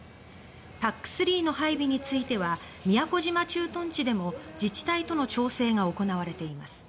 ＰＡＣ３の配備については宮古島駐屯地でも自治体との調整が行われています。